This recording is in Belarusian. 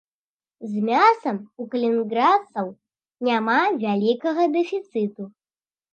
З мясам у калінінградцаў няма вялікага дэфіцыту.